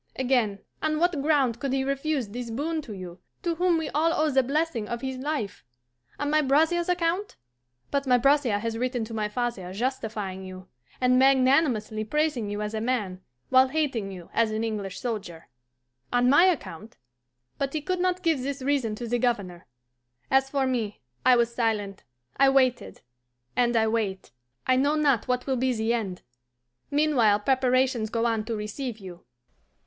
Again, on what ground could he refuse this boon to you, to whom we all owe the blessing of his life? On my brother's account? But my brother has written to my father justifying you, and magnanimously praising you as a man, while hating you as an English soldier. On my account? But he could not give this reason to the Governor. As for me, I was silent, I waited and I wait; I know not what will be the end. Meanwhile preparations go on to receive you."